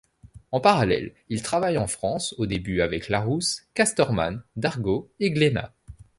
En parallèle, il travaille en France, au début avec Larousse, Casterman, Dargaud et Glénat.